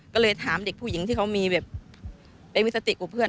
ก็เลยถามเด็กผู้หญิงที่เขามีแบบได้มีสติกว่าเพื่อน